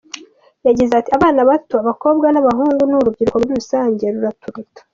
Yagize ati “Abana bato, abakobwa n’abahungu, n’urubyiruko muri rusange, ruraturuta.